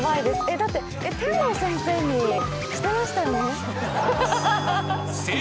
だって天堂先生にしてましたよね。